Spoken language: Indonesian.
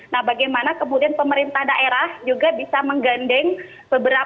nah bagaimana kemudian pemerintah daerah juga bisa menggandeng beberapa